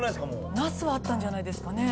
なすはあったんじゃないですかね？